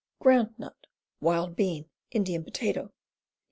Ground Nut. Wild Bean. Indian Potato.